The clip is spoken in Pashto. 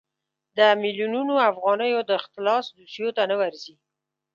د میلیونونو افغانیو د اختلاس دوسیو ته نه ورځي.